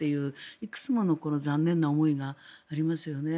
いくつもの残念な思いがありますよね。